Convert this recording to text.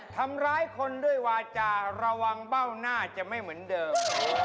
ทำร้ายคนด้วยวาจาระวังเบ้าหน้าจะไม่เหมือนเดิม